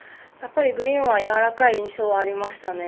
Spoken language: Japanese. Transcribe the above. グリーンはやわらかい印象はありましたね。